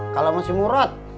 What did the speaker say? kalo masih murot